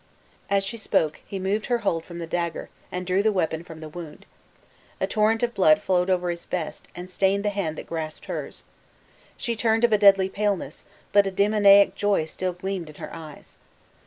As she spoke, he moved her hold from the dagger, and drew the weapon from the wound. A torrent of blood flowed over his vest, and stained the hand that grasped hers. She turned of a deadly paleness, but a demoniac joy still gleamed in her eyes.